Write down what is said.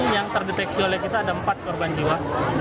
yang terdeteksi oleh kita ada empat korban jiwa